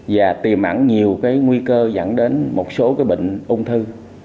và tìm ảnh nhiều cái nguy cơ dẫn đến một số cái bệnh ung thư